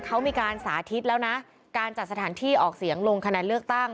เขามีการสาธิตแล้วนะการจัดสถานที่ออกเสียงลงคะแนนเลือกตั้ง